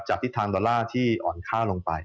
ทิศทางดอลลาร์ที่อ่อนค่าลงไป